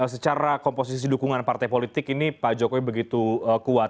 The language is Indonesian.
secara komposisi dukungan partai politik ini pak jokowi begitu kuat